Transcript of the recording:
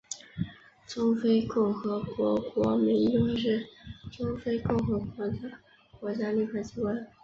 中非共和国国民议会是中非共和国的国家立法机关。